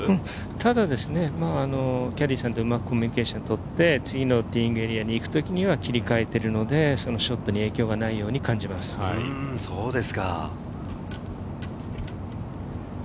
ただキャディーさんとうまくコミュニケーションをとって、次のティーイングエリアに行くときには切り替えているので、ショットには影響がないように感じます。